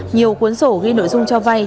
nhiều cuốn sổ ghi nội dung cho vay